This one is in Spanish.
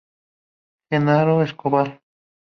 Genaro Escobar.